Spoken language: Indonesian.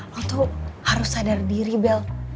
aku tuh harus sadar diri bel